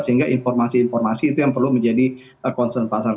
sehingga informasi informasi itu yang perlu menjadi concern pasar